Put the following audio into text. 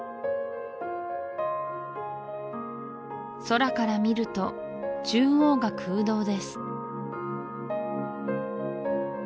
空から見ると中央が空洞です